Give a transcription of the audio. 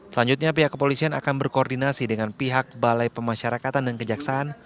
selanjutnya pihak kepolisian akan berkoordinasi dengan pihak balai pemasyarakatan dan kejaksaan